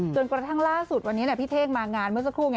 จนกระทั่งล่าสุดวันนี้พี่เท่งมางานเมื่อสักครู่ไง